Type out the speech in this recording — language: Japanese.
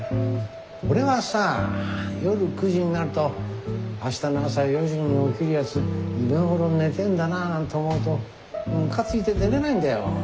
俺はさ夜９時になると「明日の朝４時に起きるやつ今頃寝てんだなぁ」なんて思うとムカついて寝れないんだよ。